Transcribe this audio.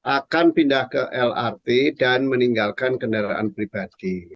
akan pindah ke lrt dan meninggalkan kendaraan pribadi